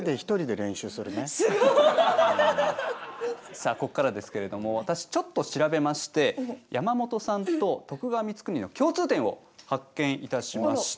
さあここからですけれども私ちょっと調べまして山本さんと徳川光圀の共通点を発見いたしました。